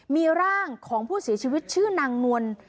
มีร่างของผู้เสียชีวิตชื่อนางนวล